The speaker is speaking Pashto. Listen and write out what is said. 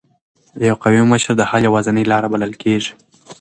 یو قوي مشر د حل یوازینۍ لار بلل کېږي.